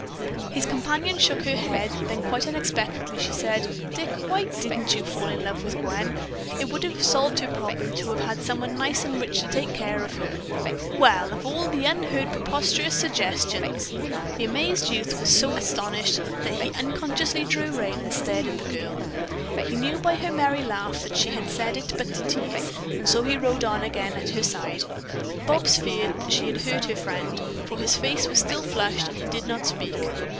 His companion shook her head; then quite unexpectedly she said: "Dick, why didn't you fall in love with Gwen? It would have solved her problem to have had someone nice and rich to take care of her." "Well, of all the unheard of preposterous suggestions!" The amazed youth was so astonished that he unconsciously drew rein and stared at the girl. He knew by her merry laugh that she had said it but to tease, and so he rode on again at her side. Bobs feared that she had hurt her friend, for his face was still flushed and he did not speak.